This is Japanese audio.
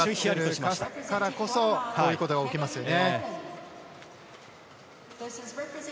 だからこそこういうことが起きますよね。